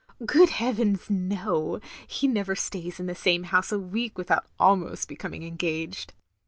'' "Good heavens, no. He never stays in the same house a week without almost becoming engaged.